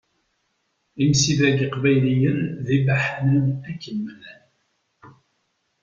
Imsidag iqbayliyen d ibaḥanen akken ma llan.